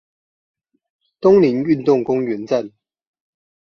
東寧運動公園站